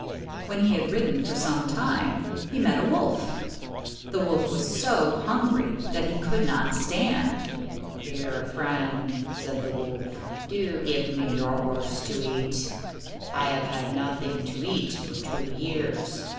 When he had ridden for some time, he met a wolf. The wolf was so hungry that he could not stand. "Dear friend," said the wolf, "do give me your horse to eat. I have had nothing to eat for two years.